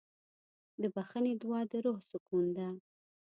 د بښنې دعا د روح سکون ده.